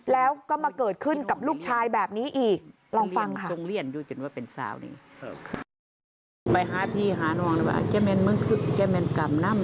แล้วก็มาเกิดขึ้นกับลูกชายแบบนี้อีก